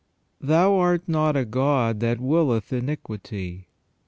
Thou art not a God that willeth iniquity."